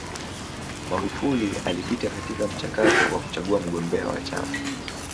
magufuli alipita katika mchakato wa kuchagua mgombea wa chama